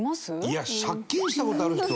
いや借金した事ある人？